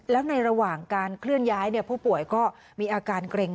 แล้วในระหว่างการเคลื่อนย้ายผู้ป่วยก็มีอาการเกร็ง